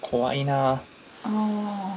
ああ。